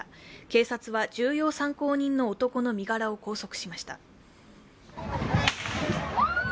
警察は重要参考人の男の身柄を拘束しました。